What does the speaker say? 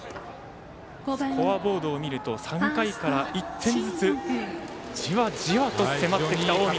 スコアボードを見ると３回から１点ずつじわじわと迫ってきた近江。